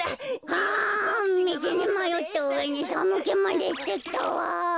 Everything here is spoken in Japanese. あみちにまよったうえにさむけまでしてきたわ。